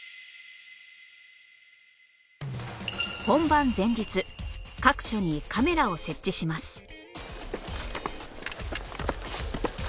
本番前日各所にカメラを設置します